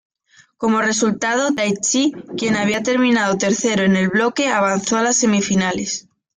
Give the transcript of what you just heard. Como resultado, Taichi, quien había terminado tercero en el bloque, avanzó a las semifinales.